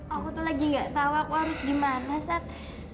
aku tuh lagi gak tau aku harus gimana sat